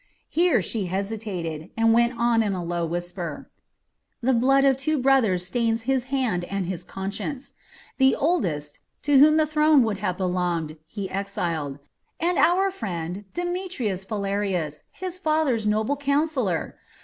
Here she hesitated, and went on in a low whisper: "The blood of two brothers stains his hand and his conscience. The oldest, to whom the throne would have belonged, he exiled. And our friend, Demetrius Phalereus, his father's noble councillor!